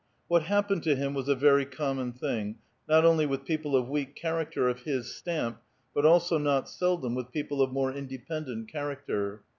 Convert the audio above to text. What happened to him was a ver}' common thing, not only with people of weak character of his stamp, but also not seldom with people of more independent character.